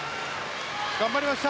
頑張りました。